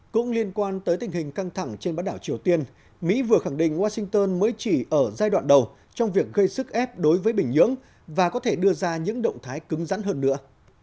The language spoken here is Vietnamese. cũng liên quan tới tình hình căng thẳng trên bãi đảo triều tiên mỹ vừa khẳng định washington mới chỉ ở giai đoạn đầu trong việc gây sức ép đối với bình nhưỡng và có thể đưa ra những động thái cứng rắn hơn nữa